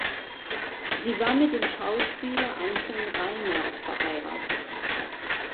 Sie war mit dem Schauspieler Anton Reimer verheiratet.